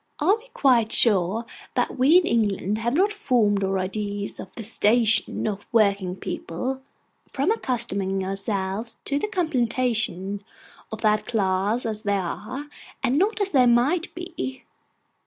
Are we quite sure that we in England have not formed our ideas of the 'station' of working people, from accustoming ourselves to the contemplation of that class as they are, and not as they might be?